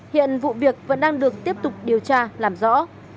hiện vụ việc vẫn đang được tiếp tục điều tra làm rõ